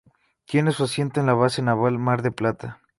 Tiene su asiento en la Base Naval Mar del Plata.